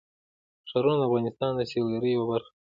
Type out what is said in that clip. ښارونه د افغانستان د سیلګرۍ یوه برخه ده.